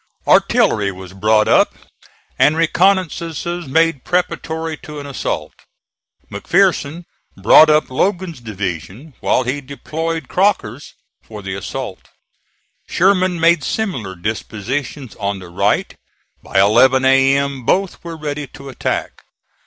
Artillery was brought up and reconnoissances made preparatory to an assault. McPherson brought up Logan's division while he deployed Crocker's for the assault. Sherman made similar dispositions on the right. By eleven A.M. both were ready to attack.